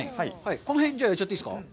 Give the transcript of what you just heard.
この辺、じゃあ、やっちゃっていいですか？